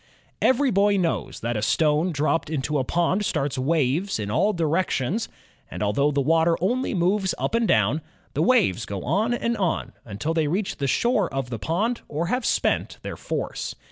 Every boy knows that a stone dropped into a pond starts waves in all directions, and although the water only moves up and down, the waves go on and on, until they reach the shore of the pond or have spent their force.